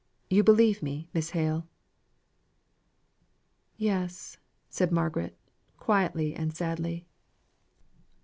You believe me, Miss Hale?" "Yes," said Margaret, quietly and sadly.